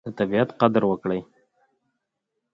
د طبیعت قدر وکړئ.